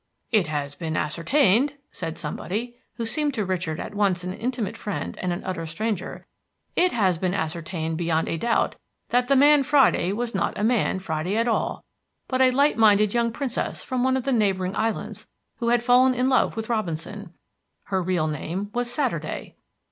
"It has been ascertained," said somebody, who seemed to Richard at once an intimate friend and an utter stranger, "it has been ascertained beyond a doubt that the man Friday was not a man Friday at all, but a light minded young princess from one of the neighboring islands who had fallen in love with Robinson. Her real name was Saturday."